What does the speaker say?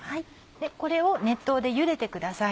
これを熱湯でゆでてください。